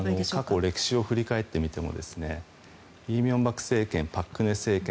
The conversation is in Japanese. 過去歴史を振り返ってみても李明博政権、朴槿惠政権